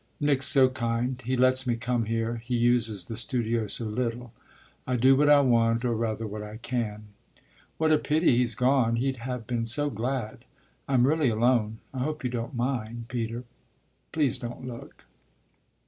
Nick's so kind; he lets me come here; he uses the studio so little; I do what I want, or rather what I can. What a pity he's gone he'd have been so glad. I'm really alone I hope you don't mind. Peter, please don't look."